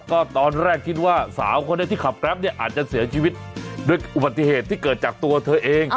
ก็ตอนแรกคิดว่าสาวคนนี้ที่ขับแกรปเนี่ยอาจจะเสียชีวิตด้วยอุบัติเหตุที่เกิดจากตัวเธอเอง